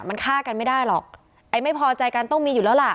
มันฆ่ากันไม่ได้หรอกไอ้ไม่พอใจกันต้องมีอยู่แล้วล่ะ